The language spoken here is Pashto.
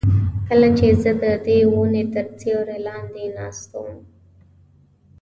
کله چې زه ددې ونې تر سیوري لاندې ناست وم.